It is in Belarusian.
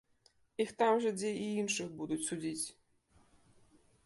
Іх там жа, дзе і іншых, будуць судзіць.